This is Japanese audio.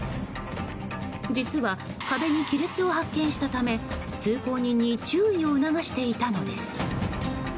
実は壁に亀裂を発見したため通行人に注意を促していたのです。